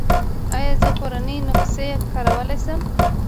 ایا زه کورنۍ نسخې کارولی شم؟